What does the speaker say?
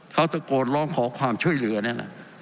เขาตะโกนร้องขอความช่วยเหลือนี่แหละ